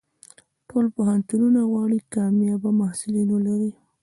ټول پوهنتونونه غواړي کامیاب محصلین ولري.